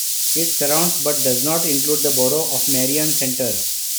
It surrounds but does not include the borough of Marion Center.